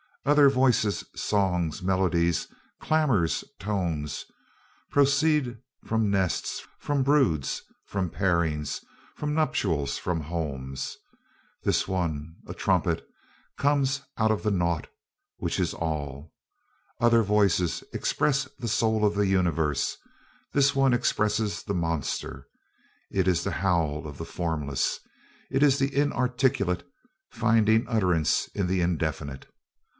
Other voices, songs, melodies, clamours, tones, proceed from nests, from broods, from pairings, from nuptials, from homes. This one, a trumpet, comes out of the Naught, which is All. Other voices express the soul of the universe; this one expresses the monster. It is the howl of the formless. It is the inarticulate finding utterance in the indefinite.